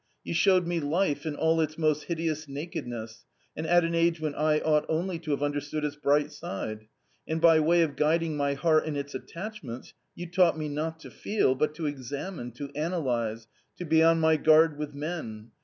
You showed me life in all its most hideous nakedness, and at an age when I ought only to have understood its bright side. And by way of guiding my heart in its attachments you taught me not to feel, but to examine, to analyse, to be on my guard with men.